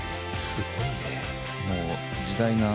すごいね。